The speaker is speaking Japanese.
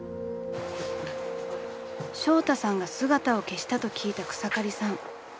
［ショウタさんが姿を消したと聞いた草刈さん］